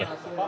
betul itu pak